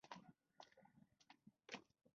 په لس هاوو زره انسانان قتل شول.